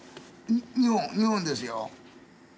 日本日本ですよ。